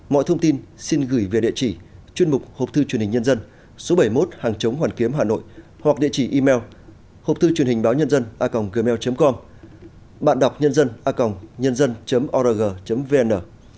mọi thông tin xin gửi về địa chỉ chuyên mục hộp thư truyền hình nhân dân số bảy mươi một hàng chống hoàn kiếm hà nội hoặc địa chỉ email hộpthư truyền hình báo nhân dân a gmail com bạn đọc nhân dân a nhân dân org vn